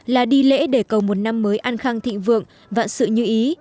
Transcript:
là đi lễ để cầu một năm mới an khang thịnh vượng vạn sự như ý